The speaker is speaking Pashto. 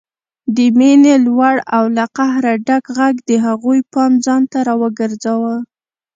د مينې لوړ او له قهره ډک غږ د هغوی پام ځانته راوګرځاوه